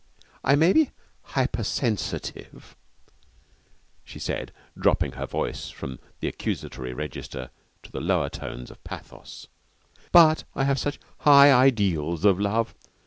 'I may be hypersensitive,' she said, dropping her voice from the accusatory register to the lower tones of pathos, 'but I have such high ideals of love.